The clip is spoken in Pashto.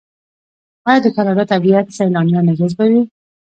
آیا د کاناډا طبیعت سیلانیان نه جذبوي؟